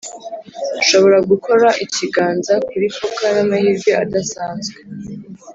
nshobora gukora ikiganza kuri poker n'amahirwe adasanzwe